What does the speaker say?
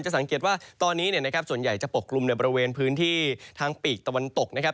สังเกตว่าตอนนี้ส่วนใหญ่จะปกกลุ่มในบริเวณพื้นที่ทางปีกตะวันตกนะครับ